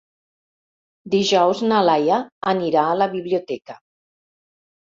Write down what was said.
Dijous na Laia anirà a la biblioteca.